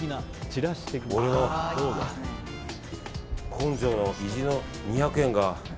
根性の意地の２００円が。